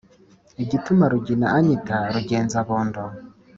igituma rugira anyita rugenzabondo